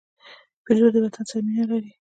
پیلوټ د وطن سره مینه لري.